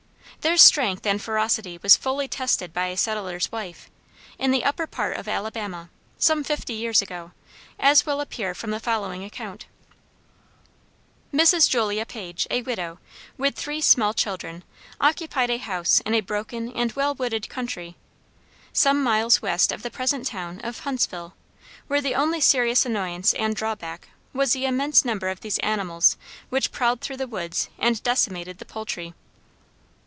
Their strength and ferocity was fully tested by a settler's wife, in the upper part of Alabama, some fifty years ago, as will appear from the following account: Mrs. Julia Page, a widow, with three small children, occupied a house in a broken and well wooded country, some miles west of the present town of Huntsville, where the only serious annoyance and drawback was the immense number of these animals which prowled through the woods and decimated the poultry.